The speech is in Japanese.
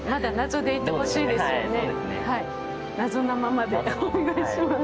謎なままでお願いします。